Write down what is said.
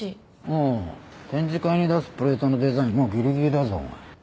おう展示会に出すプレートのデザインもうぎりぎりだぞお前。